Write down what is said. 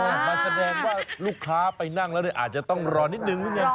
อ๋อมันแสดงว่าลูกค้าไปนั่งแล้วอาจจะต้องรอนิดหนึ่งหรืออย่างนี้